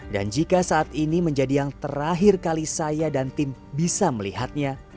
dan jika saat ini menjadi yang terakhir kali saya dan tim bisa melihatnya